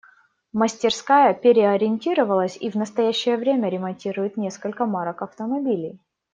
Мастерская переориентировалась и в настоящее время ремонтирует несколько марок автомобилей.